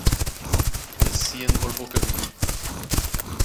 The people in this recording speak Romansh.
La sien vul buca vegnir.